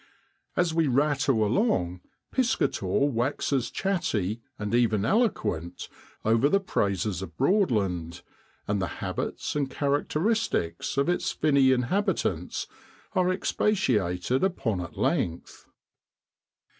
As we rattle along Piscator waxes chatty and even eloquent over the praises of Broadland; and the habits and char acteristics of its finny inhabitants are expatiated upon at length.